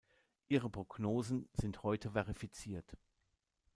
Ihre Prognosen sind heute verifiziert.